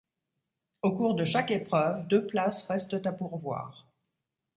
Au cours de chaque épreuve, deux places restent à pourvoir.